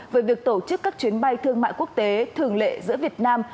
về việc tổ chức các chuyến bay thương mại quốc tế thường lệ giữa việt nam